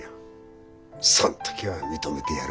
そん時は認めてやるわい。